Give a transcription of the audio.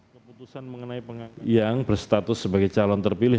keputusan mengenai yang berstatus sebagai calon terpilih